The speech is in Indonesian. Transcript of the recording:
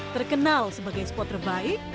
terkenal sebagai spot terbaik